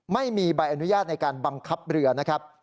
ไม่มีใบอนุญาตในการบังคับเรือนะครับ